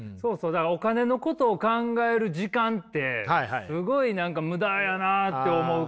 だからお金のことを考える時間ってすごい何か無駄やなって思うから。